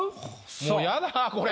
もうやだこれ。